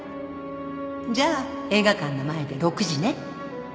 「じゃあ映画館の前で６時ね」